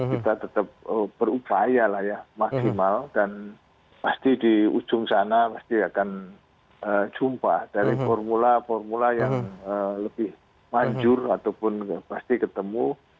kita tetap berupaya lah ya maksimal dan pasti di ujung sana pasti akan jumpa dari formula formula yang lebih manjur ataupun pasti ketemu